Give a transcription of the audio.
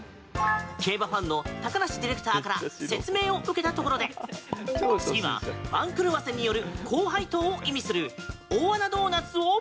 競馬ファンの高梨ディレクターから説明を受けたところで次は番狂せによる高配当を意味する大穴ドーナツを。